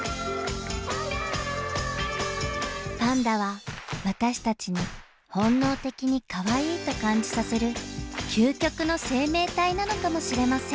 パンダは私たちに本能的にかわいいと感じさせる究極の生命体なのかもしれません。